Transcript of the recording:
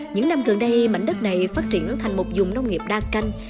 những năm gần đây mảnh đất này phát triển thành một dùng nông nghiệp đa canh